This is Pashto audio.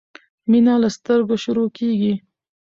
مينه له سترګو شروع کیږی